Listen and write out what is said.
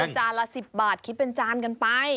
แล้วก็จานละ๑๐บาทคิดเป็นจารกันไป